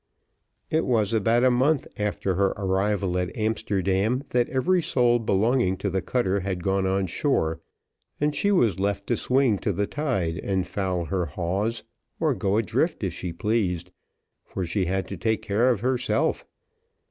It was about a month after her arrival at Amsterdam, that every soul belonging to the cutter had gone on shore, and she was left to swing to the tide and foul her hawse, or go adrift if she pleased, for she had to take care of herself.